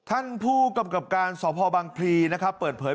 ท่านผู้กำกับการสพบางพร์เปิดเผย